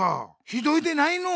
ひどいでないの！